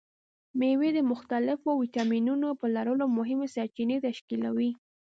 مېوې د مختلفو ویټامینونو په لرلو مهمې سرچینې تشکیلوي.